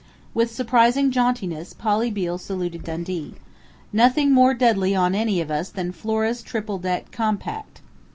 With surprising jauntiness Polly Beale saluted Dundee. "Nothing more deadly on any of us than Flora's triple deck compact."